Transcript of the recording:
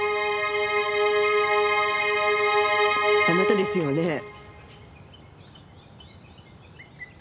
あなたですよね？